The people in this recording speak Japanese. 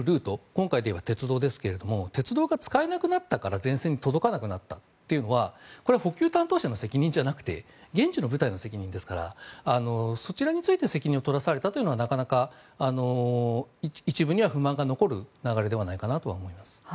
今回なら鉄道ですが鉄道が使えなくなったから前線に届かなくなったというのは補給担当者の責任じゃなくて現地の部隊の責任ですからそちらについて責任を取らされたというのはなかなか、一部には不満が残る流れではないかなと思います。